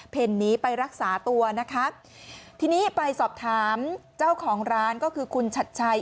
หนีไปรักษาตัวนะคะทีนี้ไปสอบถามเจ้าของร้านก็คือคุณชัดชัย